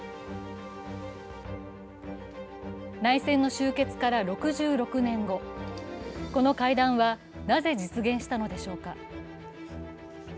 内戦の終結から６６年後、この会談はなぜ実現したのでしょうか。